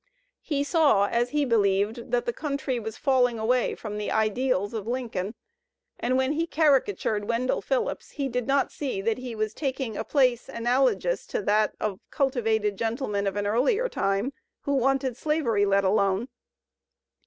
He saw, as he Digitized by Google 208 THE SPIRIT OF AMERICAN LITERATURE believed, that the country was falling away from the ideals X of linooln, and when he caricatured Wendell Phillips he did not see that he was taking a place analogous to that of cultivated gentlemen of an earlier time who wanted slavery let alone.